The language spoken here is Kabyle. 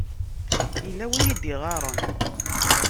Yella win i d-iɣaṛen.